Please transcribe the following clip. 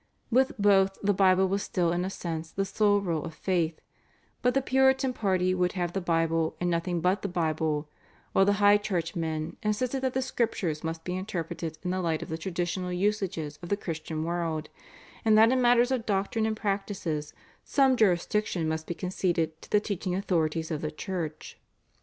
With both the Bible was still in a sense the sole rule of faith, but the Puritan party would have the Bible and nothing but the Bible, while the High Church men insisted that the Scriptures must be interpreted in the light of the traditional usages of the Christian world, and that in matters of doctrine and practices some jurisdiction must be conceded to the teaching authorities of the Church.